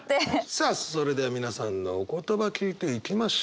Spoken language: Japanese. さあそれでは皆さんのお言葉聞いていきましょう。